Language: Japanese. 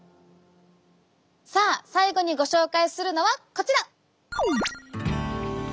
さあ最後にご紹介するのはこちら。